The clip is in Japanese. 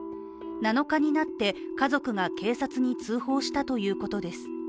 ７日になって、家族が警察に通報したということです。